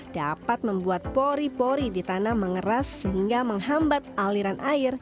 dapat membuat pori pori di tanah mengeras sehingga menghambat aliran air